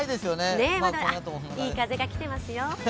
いい風が来ていますよ。